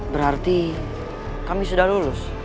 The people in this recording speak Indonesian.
berarti kami sudah lulus